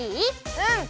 うん！